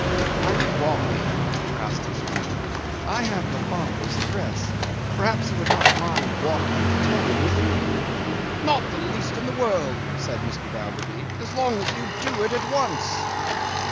'Are you walking?' asked his friend. 'I have the father's address. Perhaps you would not mind walking to town with me?' 'Not the least in the world,' said Mr. Bounderby, 'as long as you do it at once!